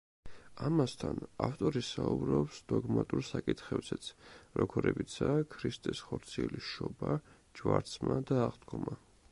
ამასთან, ავტორი საუბრობს დოგმატურ საკითხებზეც, როგორებიცაა: ქრისტეს ხორციელი შობა, ჯვარცმა და აღდგომა.